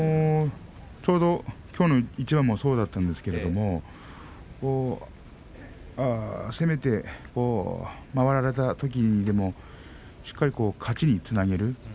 ちょうど、きょうの一番もそうだったんですけれども攻めて回られたときにしっかり勝ちにつなげる。